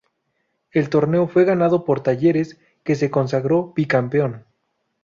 El torneo fue ganado por Talleres, que se consagró bicampeón.